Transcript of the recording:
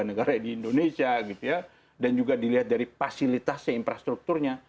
negara negara di indonesia gitu ya dan juga dilihat dari fasilitasnya infrastrukturnya